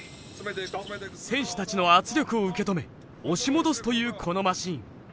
選手たちの圧力を受け止め押し戻すというこのマシーン。